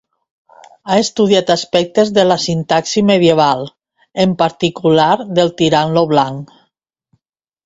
Ha estudiat aspectes de la sintaxi medieval, en particular del Tirant lo Blanc.